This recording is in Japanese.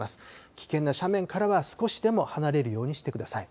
危険な斜面からは少しでも離れるようにしてください。